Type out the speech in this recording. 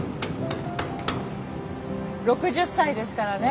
６０歳ですからね